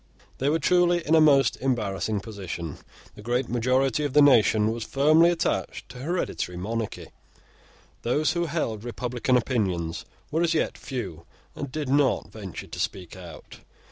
They were truly in a most embarrassing position. The great majority of the nation was firmly attached to hereditary monarchy. Those who held republican opinions were as yet few, and did not venture to speak out.